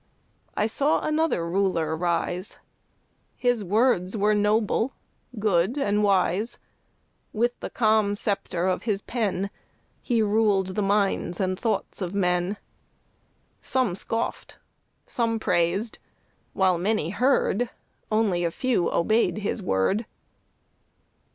I saw another Ruler rise His words were noble, good, and wise; With the calm sceptre of his pen He ruled the minds and thoughts of men; Some scoffed, some praised while many heard, Only a few obeyed his word.